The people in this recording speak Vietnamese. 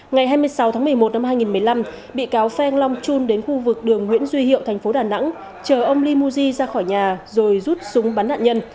ngày hai mươi sáu tháng một mươi một năm hai nghìn một mươi năm bị cáo pheng long chun đến khu vực đường nguyễn duy hiệu thành phố đà nẵng chờ ông leemoji ra khỏi nhà rồi rút súng bắn nạn nhân